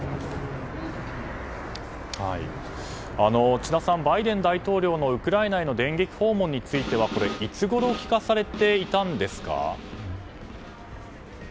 千田さんバイデン大統領のウクライナへの電撃訪問についてはいつごろ聞かされていたんですか。